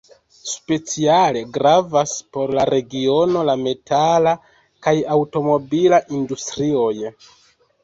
Speciale gravas por la regiono la metala kaj aŭtomobila industrioj.